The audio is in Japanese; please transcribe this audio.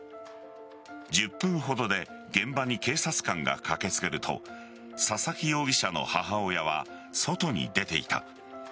１０分ほどで現場に警察官が駆けつけると佐々木容疑者の母親は外に出ていた。